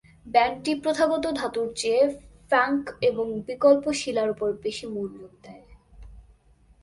ব্যান্ডটি প্রথাগত ধাতুর চেয়ে ফাঙ্ক এবং বিকল্প শিলার উপর বেশি মনোযোগ দেয়।